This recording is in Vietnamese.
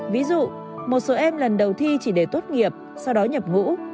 ví dụ một số em lần đầu thi chỉ để tốt nghiệp sau đó nhập ngũ